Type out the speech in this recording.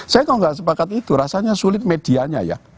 saya kalau nggak sepakat itu rasanya sulit medianya ya